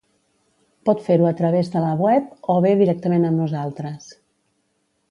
Pot fer-ho a través de la web o bé directament amb nosaltres.